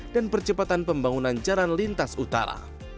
dan percepatan pembangunan jalan lintas utara